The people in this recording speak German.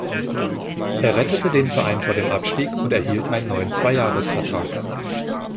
Er rettete den Verein vor dem Abstieg und erhielt einen neuen Zweijahresvertrag.